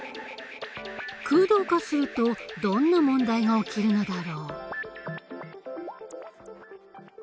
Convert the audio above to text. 空洞化するとどんな問題が起きるのだろう？